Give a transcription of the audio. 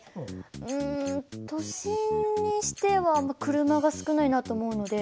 うん都心にしては車が少ないなと思うので。